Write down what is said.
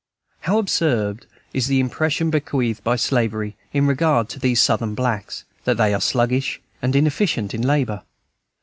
How absurd is the impression bequeathed by Slavery in regard to these Southern blacks, that they are sluggish and inefficient in labor!